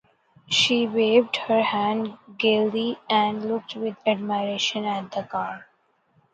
She waved her hand gayly and looked with admiration at the car.